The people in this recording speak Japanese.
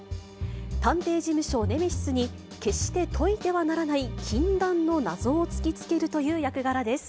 探偵事務所、ネメシスに、決して解いてはならない禁断の謎を突きつけるという役柄です。